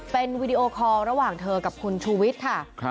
เป็นวีดีโอคอลระหว่างเธอกับคุณชูวิทย์ค่ะ